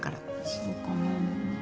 そうかなぁ。